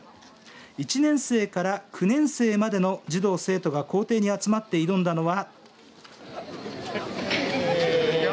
１年生から９年生までの児童生徒が校庭に集まって挑んだのは。